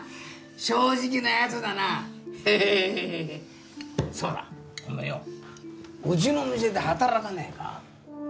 正直なやつだなヘヘヘヘヘヘッそうだおめえようちの店で働かねえか？